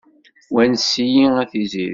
Wanes-iyi a tiziri.